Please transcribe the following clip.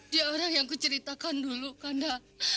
dia orang yang kuceritakan dulu kanda